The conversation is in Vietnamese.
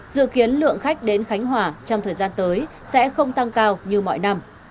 dự kiến lượng khách đến khánh hòa trong thời gian tới sẽ không tăng cao như mọi năm